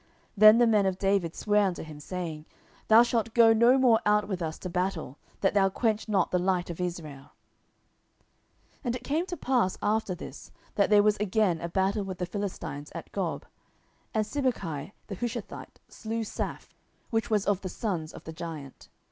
Then the men of David sware unto him, saying, Thou shalt go no more out with us to battle, that thou quench not the light of Israel. 10:021:018 And it came to pass after this, that there was again a battle with the Philistines at Gob: then Sibbechai the Hushathite slew Saph, which was of the sons of the giant.